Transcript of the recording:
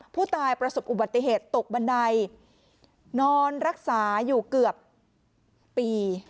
ประสบอุบัติเหตุตกบันไดนอนรักษาอยู่เกือบปี